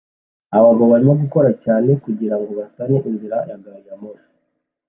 Abagabo barimo gukora cyane kugirango basane inzira ya gari ya moshi